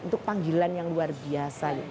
untuk panggilan yang luar biasa